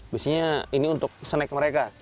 biasanya ini untuk snack mereka